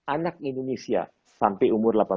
anak indonesia sampai umur